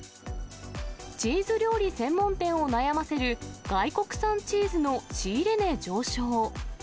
チーズ料理専門店を悩ませる、外国産チーズの仕入れ値上昇。